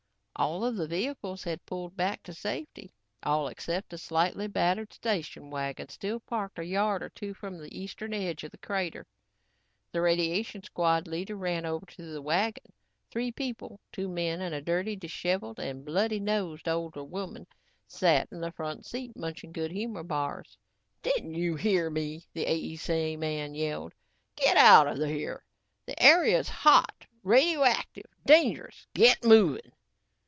All of the vehicles had pulled back to safety all except a slightly battered station wagon still parked a yard or two from the eastern edge of the crater. The radiation squad leader ran over to the wagon. Three people, two men and a dirty, disheveled and bloody nosed older woman, sat in the front seat munching Good Humor bars. "Didn't you hear me?" the AEC man yelled. "Get outta here. This area's hot. Radioactive. Dangerous. GET MOVING!"